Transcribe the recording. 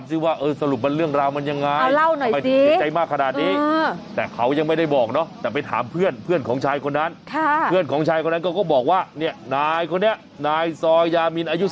เอาแล้วถามซิว่าสรุปเรื่องราวมันยังไง